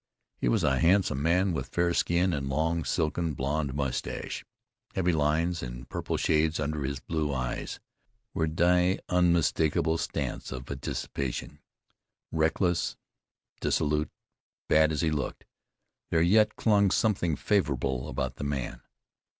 He was a handsome man, with fair skin, and long, silken, blond mustache. Heavy lines, and purple shades under his blue eyes, were die unmistakable stamp of dissipation. Reckless, dissolute, bad as he looked, there yet clung something favorable about the man.